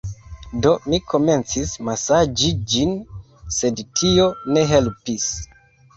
Do, mi komencis masaĝi ĝin sed tio ne helpis